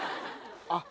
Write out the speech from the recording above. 「あっ」